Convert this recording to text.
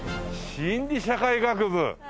心理社会学部！